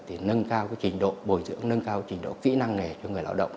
thì nâng cao trình độ bồi dưỡng nâng cao trình độ kỹ năng nghề cho người lao động